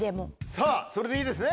さぁそれでいいですね？